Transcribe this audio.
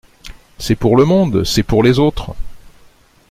C’est pour le monde, c’est pour les autres !